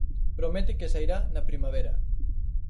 Promete que sairá na primavera.